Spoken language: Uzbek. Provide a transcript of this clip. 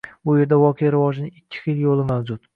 Bu yerda voqea rivojining ikki xil yo‘li mavjud.